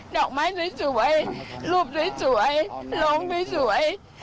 ดอกไม้สวยรูปสวยลงสวย